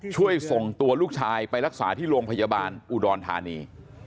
ช่วยส่งตัวลูกชายไปรักษาที่โรงพยาบาลอุดรธานี